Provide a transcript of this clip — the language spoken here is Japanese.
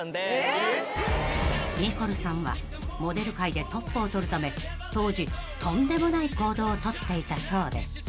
［ニコルさんはモデル界でトップを獲るため当時とんでもない行動をとっていたそうで］